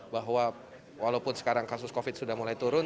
bahwa walaupun sekarang kasus covid sudah mulai turun